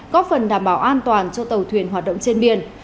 có phần đảm bảo an toàn cho tàu thuyền hoạt động trên biển